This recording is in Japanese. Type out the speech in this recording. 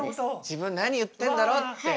自分何言ってんだろって言う。